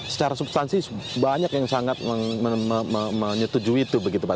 secara substansi banyak yang sangat menyetujui itu begitu pak